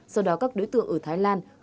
sau đó các đối tượng ở thái lan hướng